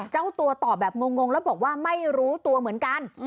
เจ้าตัวตอบแบบงงแล้วบอกว่าไม่รู้ตัวเหมือนกัน